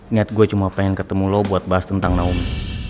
niat gue cuma pengen ketemu lo buat bahas tentang naomi